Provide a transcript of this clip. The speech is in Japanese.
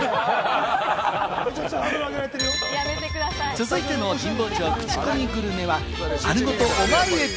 続いての神保町クチコミグルメは、丸ごとオマール海老？